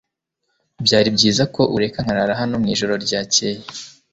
Byari byiza ko ureka nkarara hano mwijoro ryakeye.